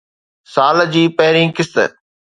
سال جي پهرين قسط